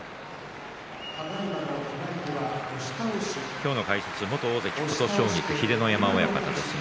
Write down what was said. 今日の解説元大関琴奨菊秀ノ山親方です。